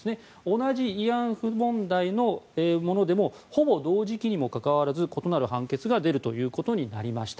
同じ慰安婦問題のものでもほぼ同時期にもかかわらず異なる判決が出ることになりました。